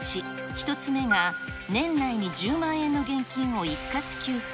１つ目が、年内に１０万円の現金を一括給付。